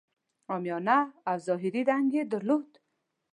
عامیانه او ظاهري رنګ یې درلود.